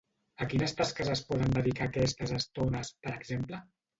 A quines tasques es poden dedicar aquestes estones, per exemple?